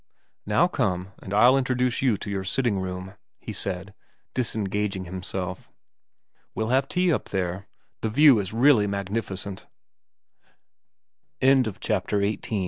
Now come and I'll introduce you to your sitting room,' he said, disengaging himself. ' We'll have tea up there. The view is really magnificent.' XIX T